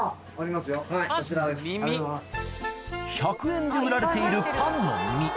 １００円で売られているパンの耳